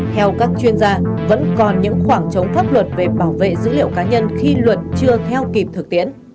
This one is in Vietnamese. theo các chuyên gia vẫn còn những khoảng trống pháp luật về bảo vệ dữ liệu cá nhân khi luật chưa theo kịp thực tiễn